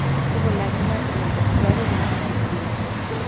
Hubo lágrimas en el vestuario y muchos sentimientos.